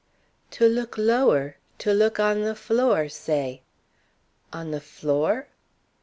"To look lower; to look on the floor, say." "On the floor?"